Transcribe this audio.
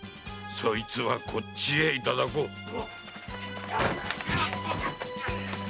そいつはこっちへいただこう。